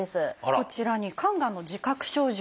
こちらに肝がんの自覚症状